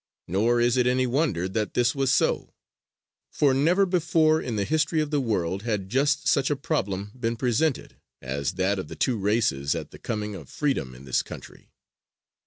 Nor is it any wonder that this was so, for never before in the history of the world had just such a problem been presented as that of the two races at the coming of freedom in this country.